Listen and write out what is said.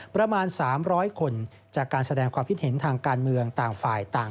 ประมาณ๓๐๐คนจากการแสดงความคิดเห็นทางการเมืองต่างฝ่ายต่าง